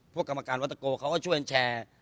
กรรมการวัตโกเขาก็ช่วยแชร์